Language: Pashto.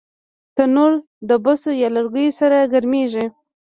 تنور د بوسو یا لرګیو سره ګرمېږي